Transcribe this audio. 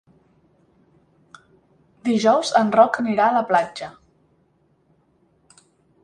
Dijous en Roc anirà a la platja.